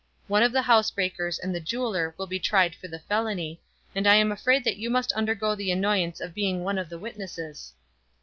One of the housebreakers and the jeweller will be tried for the felony, and I am afraid that you must undergo the annoyance of being one of the witnesses."